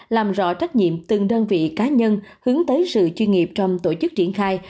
làm rõ trách nhiệm từng đơn vị cá nhân hướng tới sự chuyên nghiệp trong tổ chức triển khai